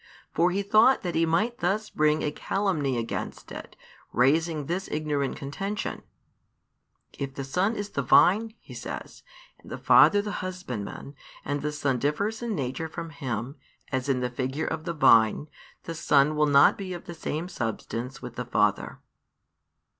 For he thought that he might thus bring a calumny against it, raising this ignorant contention: "If the Son is the Vine," he says, "and the Father the Husbandman, and the Son differs in nature from Him, as in the figure of the vine, the Son will not be of the same Substance with the Father."